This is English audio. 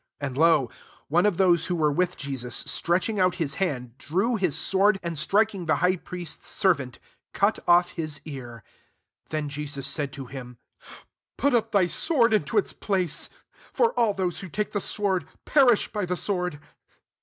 51 And k> 1 one of those who were with Jesus, stretching out hk hand, drew his sword, and striking the high priest's ser vant, cut off his ear. 52 Then Jesus said to him, " Put up thy sword into its place: for all those who take tlie sword, perish by the sword.